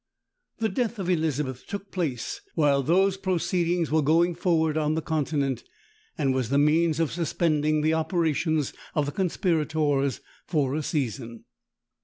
The death of Elizabeth took place while those proceedings were going forward on the Continent, and was the means of suspending the operations of the conspirators for a season.